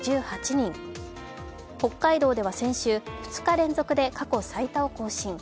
北海道では先週、２日連続で過去最多を更新。